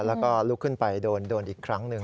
แล้วก็ลุกขึ้นไปโดนอีกครั้งหนึ่ง